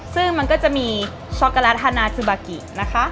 ซึ่งมันก็จะมีช็อกโกแลตฮานาซูบากินะคะ